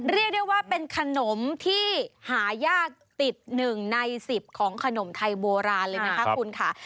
เรียกได้ว่าเป็นขนมที่หายากติด๑ใน๑๐ของขนมไทยโบราณเลยนะคะคุณค่ะ